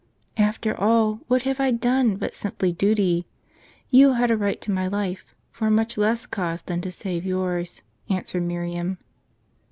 " After all, what have I done, but simple duty? Tou had a right to my life, for a much less cause than to save yours," answered Miriam.